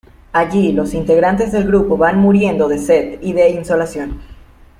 Allí, los integrantes del grupo van muriendo de sed y de insolación.